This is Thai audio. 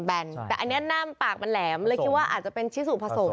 แต่อันนี้หน้าปากมันแหลมเลยคิดว่าอาจจะเป็นชิสุผสม